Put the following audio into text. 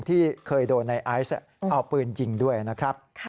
ที่เคยโดนในไอซ์เอาปืนยิงด้วยนะครับ